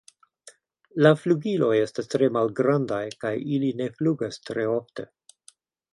La flugiloj estas tre malgrandaj kaj ili ne flugas tre ofte.